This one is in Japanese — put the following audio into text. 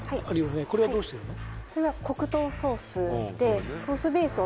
これはどうしてるの？